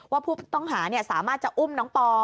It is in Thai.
ว่าผู้ต้องหาสามารถจะอุ้มน้องปอ